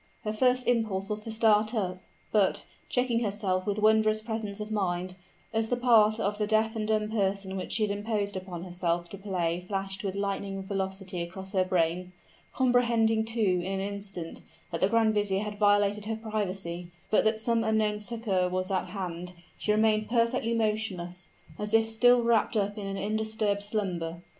Her first impulse was to start up; but, checking herself with wondrous presence of mind, as the part of the deaf and dumb person which she had imposed upon herself to play flashed with lightning velocity across her brain comprehending, too, in an instant, that the grand vizier had violated her privacy, but that some unknown succor was at hand, she remained perfectly motionless, as if still wrapped up in an undisturbed slumber.